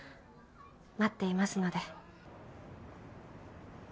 待っていますので。